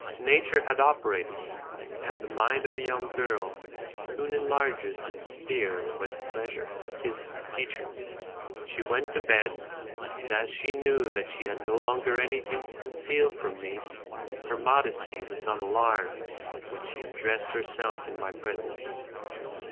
Nature had operated, and the mind of a young girl soon enlarges its sphere when pleasure is her teacher. She went to bed, and as she knew that she had no longer anything to conceal from me, her modesty was not alarmed when she undressed herself in my presence.